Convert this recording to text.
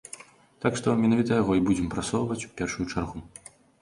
Так што, менавіта яго і будзем прасоўваць у першую чаргу.